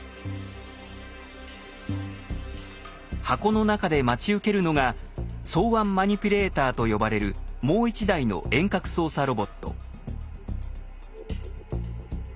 箱の中で待ち受けるのが双腕マニピュレーターと呼ばれるもう一台の遠隔操作ロボット。